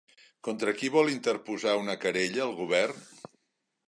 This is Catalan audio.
Contra qui vol interposar una querella el govern?